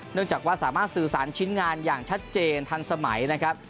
จากว่าสามารถสื่อสารชิ้นงานอย่างชัดเจนทันสมัยนะครับ